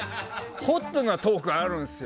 ホットなトークあるんすよ。